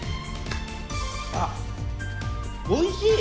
あおいしい！